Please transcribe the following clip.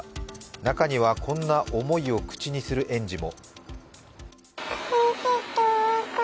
中には、こんな思いを口にする園児も。